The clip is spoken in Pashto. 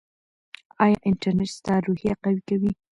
ایا انټرنیټ ستا روحیه قوي کوي؟